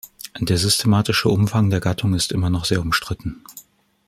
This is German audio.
Der systematische Umfang der Gattung ist immer noch sehr umstritten.